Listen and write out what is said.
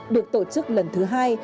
được tổ chức lần thứ hai